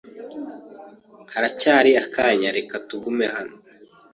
Haracyari akanya reka tugume hano?